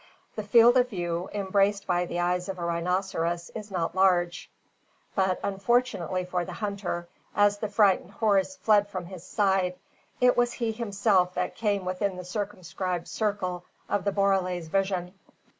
The field of view embraced by the eyes of a rhinoceros is not large; but, unfortunately for the hunter, as the frightened horse fled from his side, it was he himself that came within the circumscribed circle of the borele's vision.